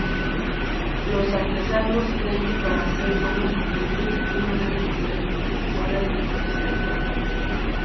Los artesanos creen que para hacer Buenos juguetes, uno debe tener buena disposición.